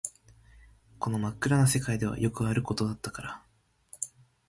この真っ暗な世界ではよくあることだったから